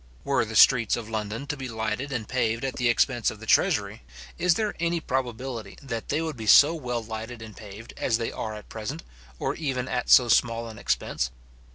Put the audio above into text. Were the streets of London to be lighted and paved at the expense of the treasury, is there any probability that they would be so well lighted and paved as they are at present, or even at so small an expense?